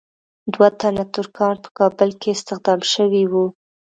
دوه تنه ترکان په کابل کې استخدام شوي وو.